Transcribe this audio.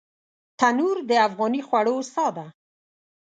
تنور د افغاني خوړو ساه ده